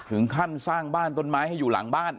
ถึงขั้นสร้างบ้านต้นไม้ให้อยู่หลังบ้าน